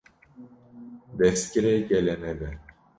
destgirê gelê me be!